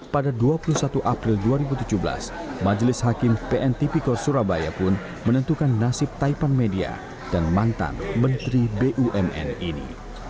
pada dua puluh satu april dua ribu tujuh belas majelis hakim pn tipiko surabaya pun menentukan nasib taipan media dan mantan menteri bumn ini